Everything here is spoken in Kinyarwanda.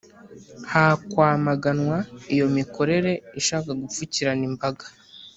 hakwamaganwa iyo mikorere ishaka gupfukirana imbaga